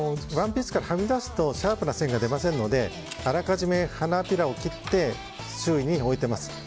ワンピースからはみ出すとシャープな線が出ませんのであらかじめ花びらを切って周囲に置いています。